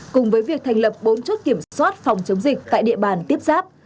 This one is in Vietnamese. cùng với việc thành lập bốn chốt kiểm soát phòng chống dịch tại địa bàn tiếp giáp